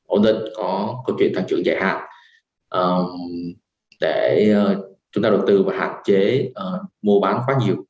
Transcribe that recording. ổn định có câu chuyện thăng trưởng dài hạn để chúng ta đầu tư và hạn chế mua bán quá nhiều